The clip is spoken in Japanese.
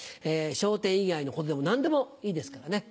『笑点』以外のことでも何でもいいですからね。